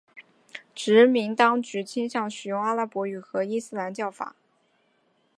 殖民当局倾向使用阿拉伯语和伊斯兰教法。